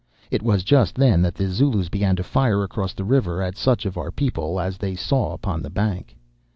"It was just then that the Zulus began to fire across the river at such of our people as they saw upon the bank.